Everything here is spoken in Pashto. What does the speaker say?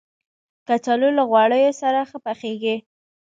کچالو له غوړیو سره ښه پخیږي